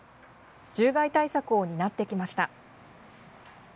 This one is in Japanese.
獣害対策を担ってきました。